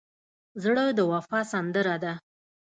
زړه د وفا سندره ده.